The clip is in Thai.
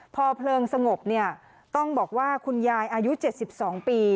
พอเพลิงสงบเนี่ยต้องบอกว่าคุณยายอายุ๗๒ปี